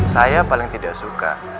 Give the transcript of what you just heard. saya paling tidak suka